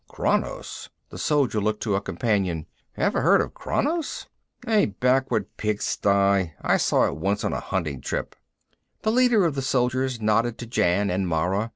"Kranos?" The soldier looked to a companion. "Ever heard of Kranos?" "A backward pig sty. I saw it once on a hunting trip." The leader of the soldiers nodded to Jan and Mara.